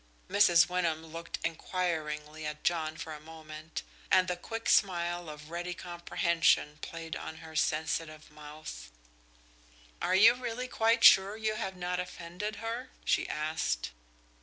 Mrs. Wyndham looked inquiringly at John for a moment, and the quick smile of ready comprehension played on her sensitive mouth. "Are you really quite sure you have not offended her?" she asked.